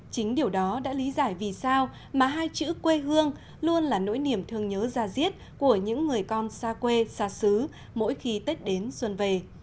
chính điều đó đã lý giải vì sao mà hai chữ quê hương luôn là nỗi niềm thương nhớ ra diết của những người con xa quê xa xứ mỗi khi tết đến xuân về